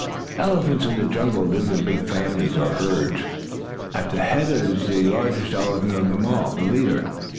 Elephants in the jungle live in big families, or herds. At the head is the largest elephant of them all, the leader.